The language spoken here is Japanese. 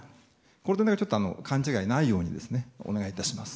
これだけ勘違いのないようにお願いいたします。